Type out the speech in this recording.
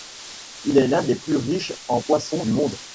Il est l'un des plus riches en poissons du monde.